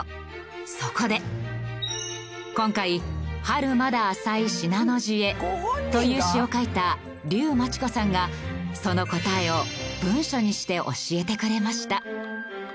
そこで今回「春まだ浅い信濃路へ」という詞を書いた竜真知子さんがその答えを文書にして教えてくれました。